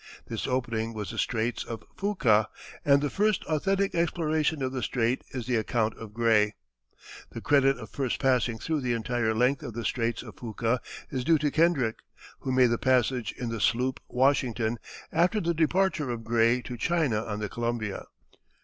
This opening was the Straits of Fuca, and the first authentic exploration of the strait is the account of Gray. The credit of first passing through the entire length of the Straits of Fuca is due to Kendrick, who made the passage in the sloop Washington, after the departure of Gray to China on the Columbia.